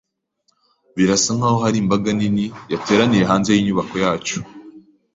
Birasa nkaho hari imbaga nini yateraniye hanze yinyubako yacu.